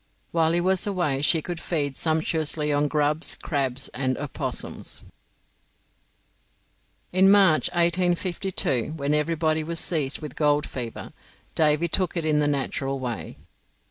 While he was away she could feed sumptuously on grubs, crabs, and opossums. In March, 1852, when everybody was seized with the gold fever, Davy took it in the natural way.